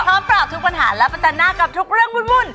พร้อมปรอบทุกปัญหาและปัจจันทร์หน้ากับทุกเรื่องวุ่น